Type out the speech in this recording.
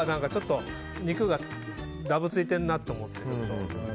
Ａは肉がだぶついてるなと思って。